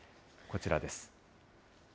こちらです。